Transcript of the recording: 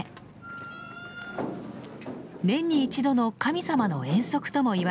年に一度の神様の遠足ともいわれ